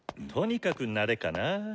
とにかく慣れかな。